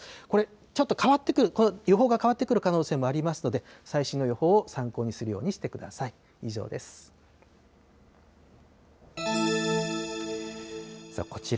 これ、ちょっと変わってくる、予報が変わってくる可能性もありますので、最新の予報を参考にするようにしてください。